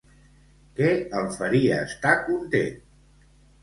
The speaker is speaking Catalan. Què el faria estar content?